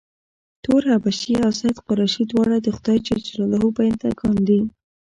تور حبشي او سید قریشي دواړه د خدای ج بنده ګان دي.